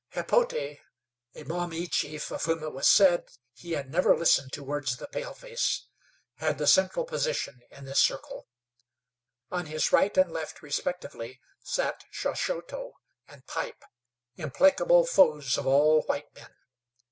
Hepote, a Maumee chief, of whom it was said he had never listened to words of the paleface, had the central position in this circle. On his right and left, respectively, sat Shaushoto and Pipe, implacable foes of all white men.